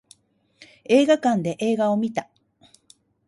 映画館で映画を見た